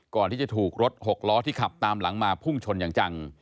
ก่อนที่จะถูกรถหกล้อที่ขับตามหลังมาพุ่งชนอย่างจัง